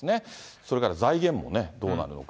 それから財源もね、どうなるのか。